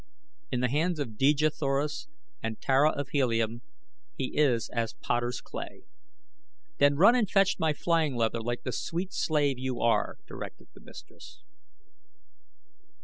In the hands of Dejah Thoris and Tara of Helium he is as potters' clay." "Then run and fetch my flying leather like the sweet slave you are," directed the mistress.